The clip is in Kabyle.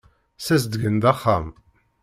Ssazedgen-d axxam.